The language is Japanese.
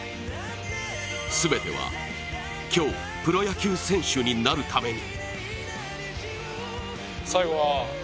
全ては今日、プロ野球選手になるために。